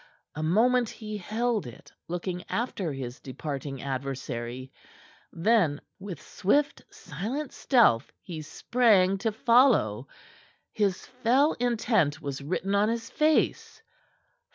A moment he held it, looking after his departing adversary; then with swift, silent stealth he sprang to follow. His fell intent was written on his face.